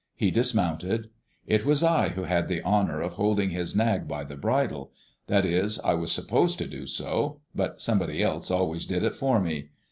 He dismounted. It was I who had the honor of holding his nag by the bridle; that is, I was supposed to do so, but somebody else always did it for me.